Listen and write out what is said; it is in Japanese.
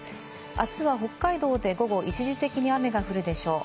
明日は北海道で午後、一時的に雨が降るでしょう。